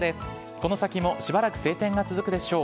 この先もしばらく晴天が続くでしょう。